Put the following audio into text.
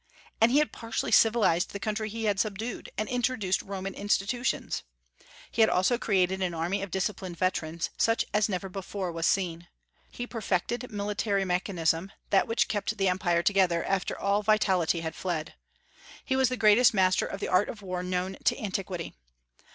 And he had partially civilized the country he had subdued, and introduced Roman institutions. He had also created an army of disciplined veterans, such as never before was seen. He perfected military mechanism, that which kept the Empire together after all vitality had fled. He was the greatest master of the art of war known to antiquity.